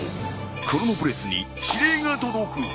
クロノブレスに指令が届く。